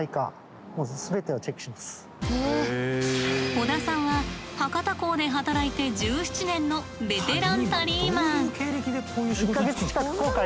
織田さんは博多港で働いて１７年のベテランタリーマン。